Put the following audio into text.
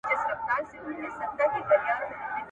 ته به شکرباسې ځکه چي ښایسته یم ..